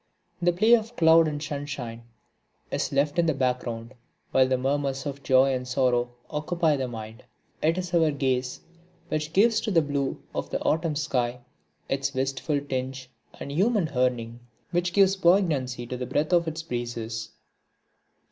The play of cloud and sunshine is left in the background, while the murmurs of joy and sorrow occupy the mind. It is our gaze which gives to the blue of the autumn sky its wistful tinge and human yearning which gives poignancy to the breath of its breezes.